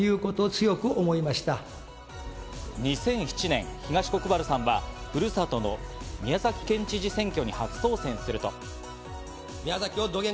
２００７年、東国原さんは、ふるさとの宮崎県知事選挙に初当選すると。